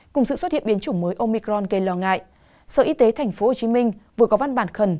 cùng sự xuất hiện biến chủng mới omicron gây lo ngại sở y tế tp hcm vừa có văn bản khẩn